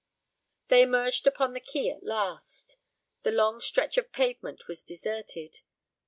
They emerged upon the quay at last. The long stretch of pavement was deserted.